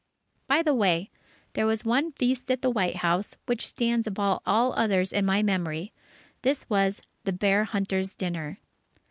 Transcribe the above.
By the way, there was one feast at the White House, which stands above all others in my memory, this was "The Bear Hunters' Dinner."